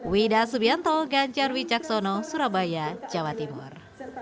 wida subianto ganjar wijaksono surabaya jawa timur